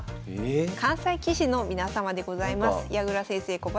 関西棋士の皆様でございます。